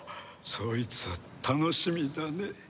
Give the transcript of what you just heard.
そいつは楽しみだね。